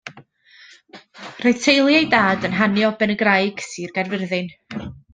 Roedd teulu ei dad yn hanu o Benygraig, Sir Gaerfyrddin.